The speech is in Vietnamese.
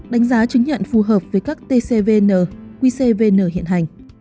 đánh giá chứng nhận phù hợp với các tcvn qcvn hiện hành